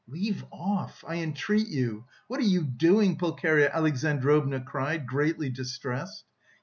"Leave off, I entreat you, what are you doing?" Pulcheria Alexandrovna cried, greatly distressed.